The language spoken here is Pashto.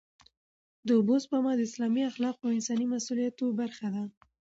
د اوبو سپما د اسلامي اخلاقو او انساني مسوولیت برخه ده.